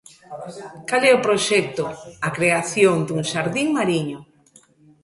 Cal é o proxecto: a creación dun xardín mariño.